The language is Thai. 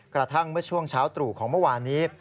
กระทั่งเมื่อช่วงเช้าตรู่ของเมื่อวานนี้